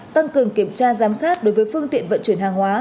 tăng cường kiểm tra giám sát đối với phương tiện vận chuyển hàng hóa